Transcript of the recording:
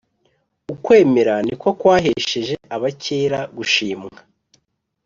ukwemera niko kwahesheje abakera gushimwa